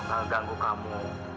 gak ngeganggu kamu